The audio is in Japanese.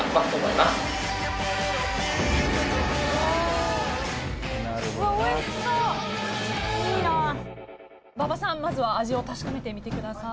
まずは味を確かめてみてください。